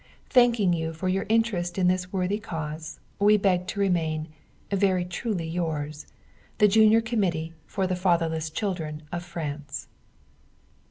Thanking you for your interest in this worthy cause, we beg to remain Very truly yours, The Junior Committee for the Fatherless Children of France.